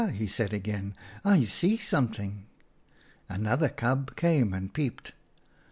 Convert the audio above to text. he said again, ' I see something.' u Another cub came and peeped.